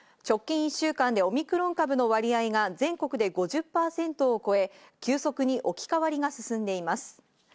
直近１週間でオミクロン株の割合が全国で５０％を超え、急速に置き換わりが進んでいます。